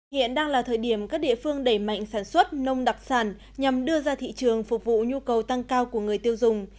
hiện đang là thời điểm các địa phương đẩy mạnh sản xuất nông đặc sản nhằm đưa ra thị trường phục vụ nhu cầu tăng cao của người tiêu dùng